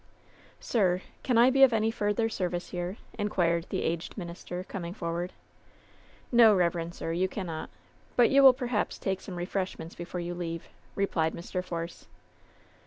"Sir, can I be of any further service here ?" inquired the aged minister, coming forward. "No, reverend sir, you cannot ; but you will perhaps take some refreshments before you leave," replied Mr. Force.